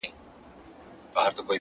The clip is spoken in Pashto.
ژورې ریښې سخت طوفانونه زغمي